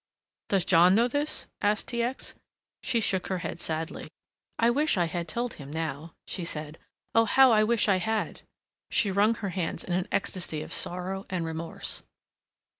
"Does John know this?" asked T. X. She shook her head sadly. "I wish I had told him now," she said. "Oh, how I wish I had!" She wrung her hands in an ecstasy of sorrow and remorse.